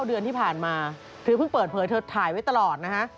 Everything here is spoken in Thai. เดือนที่ผ่านมาเธอเพิ่งเปิดเผยเธอถ่ายไว้ตลอดนะฮะ